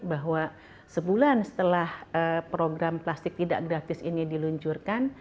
bahwa sebulan setelah program plastik tidak gratis ini diluncurkan